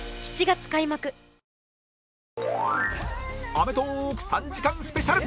『アメトーーク』３時間スペシャル